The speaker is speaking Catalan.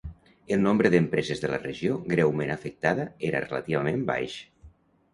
El nombre d'empreses de la regió greument afectada era relativament baix.